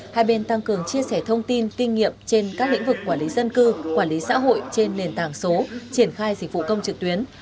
hai bên tăng cường chia sẻ thông tin kinh nghiệm trên các lĩnh vực quản lý dân cư quản lý xã hội trên nền tảng số triển khai dịch vụ công trực tuyến